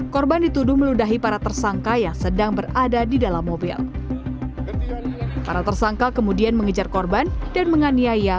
korban dituduh meludahi para tersangka yang sedang berada di dalam mobil para tersangka kemudian mengejar korban dan menganiaya